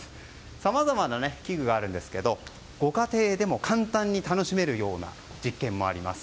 さまざまな器具があるんですけどご家庭でも簡単に楽しめるような実験もあります。